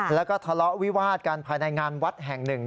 แล้วก็ทะเลาะวิวาดกันภายในงานวัดแห่งหนึ่ง